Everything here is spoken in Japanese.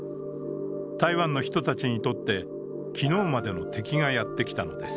台湾の人たちにとって昨日までの敵がやってきたのです。